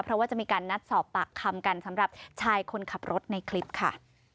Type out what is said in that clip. เพราะว่าจะมีการนัดสอบปากคำกันสำหรับชายคนขับรถในคลิปค่ะ